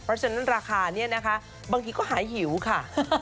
เพราะฉะนั้นราคานี้นะคะบางทีก็หายหิวค่ะ